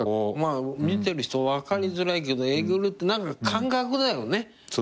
見てる人分かりづらいけどえぐるって感覚だよね。